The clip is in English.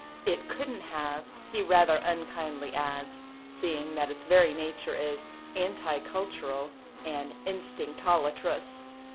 It couldn't have, he rather unkindly adds, seeing that its very nature is " anticultural and instinctolatrous."